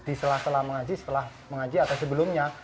di setelah setelah mengaji setelah mengaji atau sebelumnya